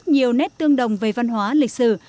nét tương đồng về văn hóa lịch sử